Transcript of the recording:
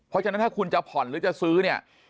เพราะฉะนั้นถ้าคุณจะผ่อนหรือจะซื้อเนี่ย